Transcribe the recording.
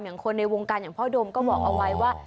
คนในวงการอย่างพ่อโดมก็บอกเอาไว้ว่า